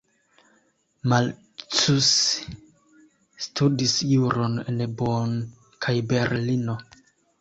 Marcus studis juron en Bonn kaj Berlino.